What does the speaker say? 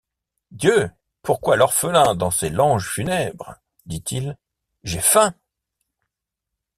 Dieu! pourquoi l’orphelin, dans ses langes funèbres, Dit-il: J’ai faim !